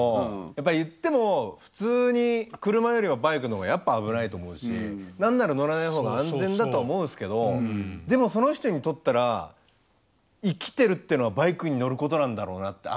やっぱ言っても普通に車よりはバイクの方がやっぱ危ないと思うし何なら乗らない方が安全だとは思うんですけどでもその人にとったら生きてるっていうのはバイクに乗ることなんだろうなって。